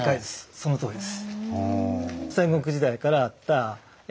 そのとおりです。